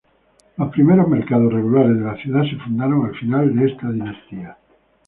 Los primeros mercados regulares de la ciudad se fundaron al final de esta dinastía.